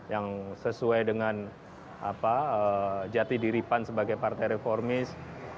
yang sesuai dengan jati diripan sebagai partai reformis